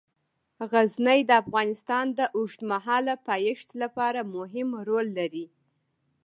غزني د افغانستان د اوږدمهاله پایښت لپاره مهم رول لري.